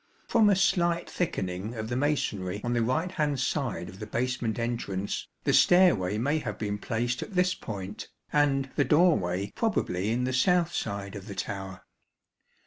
From a slight thickening of the masonry on the right hand side of the basement entrance, the stairway may have been placed at this point, and the doorway probably in the south side of the tower.